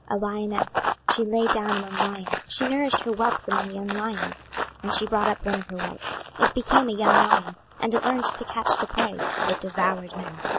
A lioness: she lay down among lions, she nourished her whelps among young lions. 26:019:003 And she brought up one of her whelps: it became a young lion, and it learned to catch the prey; it devoured men.